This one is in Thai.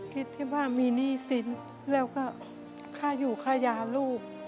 คิดที่ว่ามีหนี้สินแล้วก็ค่าอยู่ค่ายาลูก